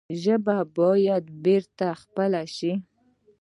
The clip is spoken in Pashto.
ژبه باید بېرته خپل شي.